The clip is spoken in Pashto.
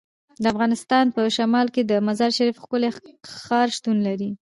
د افغانستان په شمال کې د مزارشریف ښکلی ښار شتون لري.